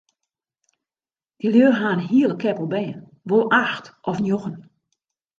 Dy lju ha in hiele keppel bern, wol acht of njoggen.